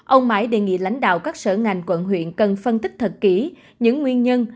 ông mãi đề nghị lãnh đạo các sở ngành quận huyện cần phân tích thật kỹ những nguyên nhân